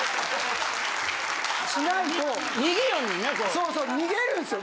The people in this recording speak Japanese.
そうそう逃げるんっすよ。